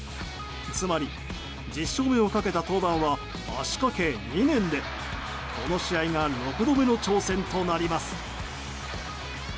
つまり、１０勝目をかけた登板は足かけ２年でこの試合が６度目の挑戦となります。